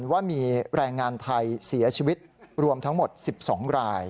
ว่ามีแรงงานไทยเสียชีวิตรวมทั้งหมด๑๒ราย